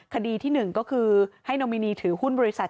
คดีที่๑ก็คือให้โนมินีถือหุ้นบริษัท